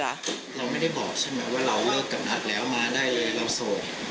เราไม่ได้บอกใช่ไหมว่าเราเลิกกับนัทแล้วมาได้เลยเราโสด